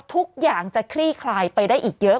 ทุกอย่างจะคลี่คลายไปได้อีกเยอะ